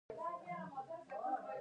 باران د افغانستان د بڼوالۍ برخه ده.